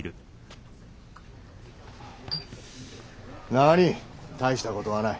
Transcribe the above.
何大したことはない。